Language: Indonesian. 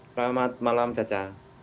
selamat malam caca